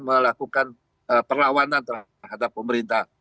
melakukan perlawanan terhadap pemerintah